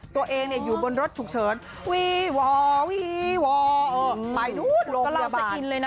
ตัวเองอยู่บนรถฉุกเฉินวีวอร์วีวอร์ไปโรงพยาบาล